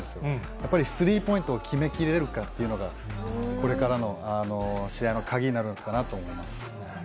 やっぱりスリーポイントを決めきれるかっていうのが、これからの試合の鍵になるのかなと思います。